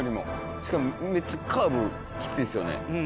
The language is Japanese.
しかもめっちゃカーブきついですよね。